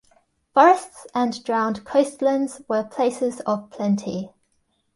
Forests and drowned coastlands were places of plenty.